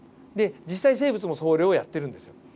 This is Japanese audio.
実際に生物もそれをやってるんですよ。